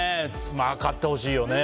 勝ってほしいよね。